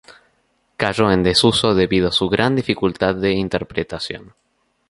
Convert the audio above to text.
Cayó en desuso debido a su gran dificultad de interpretación.